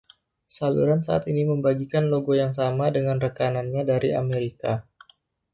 Saluran saat ini membagikan logo yang sama dengan rekanannya dari Amerika.